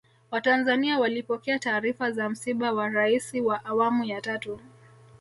watanzania walipokea taarifa za msiba wa raisi wa awamu ya tatu